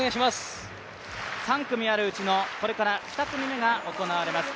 ３組あるうちのこれから２組目が行われます。